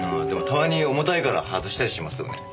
でもたまに重たいから外したりしますよね。